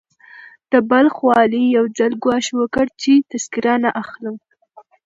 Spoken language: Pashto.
د بلخ والي يو ځل ګواښ وکړ چې تذکره نه اخلم.